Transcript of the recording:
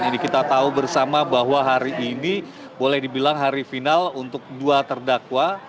dan ini kita tahu bersama bahwa hari ini boleh dibilang hari final untuk dua terdakwa